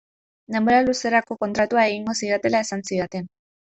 Denbora luzerako kontratua egingo zidatela esan zidaten.